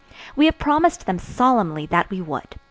We have promised them solemnly that we would.